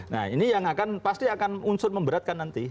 nah ini yang akan pasti akan unsur memberatkan nanti